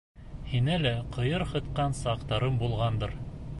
Һине лә ҡыйырһытҡан саҡтарым булғандыр...